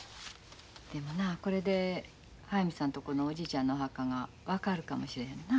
でもなあこれで速水さんとこのおじいちゃんのお墓が分かるかもしれへんな。